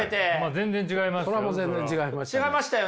全然違いますよ。